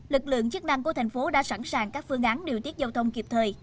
lực lượng chức năng của thành phố đã sẵn sàng các phương án điều tiết giao thông kịp thời